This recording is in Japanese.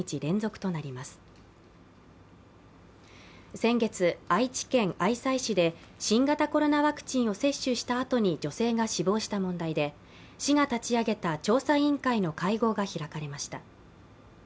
先月、愛知県愛西市で新型コロナワクチンを接種したあとに女性が死亡した問題で、市が立ち上げた調査委員会の会合が開かれました。